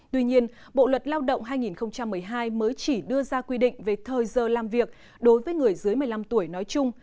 tuy nhiên bộ luật lao động hai nghìn một mươi hai mới chỉ đưa ra quy định về thời giờ làm việc đối với người dưới một mươi năm tuổi nói chung